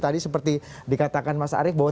tadi seperti dikatakan mas arief bahwa